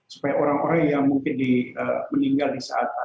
supaya orang orang yang mungkin meninggal di saat